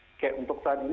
oke untuk saat ini